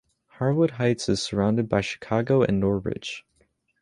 Harwood Heights is surrounded by Chicago and Norridge.